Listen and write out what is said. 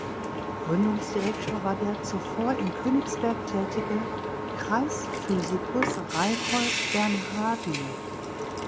Gründungsdirektor war der zuvor in Königsberg tätige Kreisphysikus Reinhold Bernhardi.